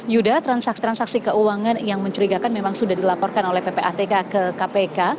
yuda transaksi transaksi keuangan yang mencurigakan memang sudah dilaporkan oleh ppatk ke kpk